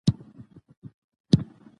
څنګه کولی شو حقیقي خزانه ومومو؟